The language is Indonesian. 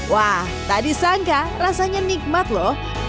wah tak disangka rasanya nikmat loh